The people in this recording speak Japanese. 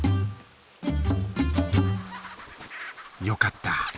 よかった！